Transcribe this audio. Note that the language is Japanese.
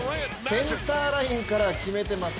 センターラインから決めてます。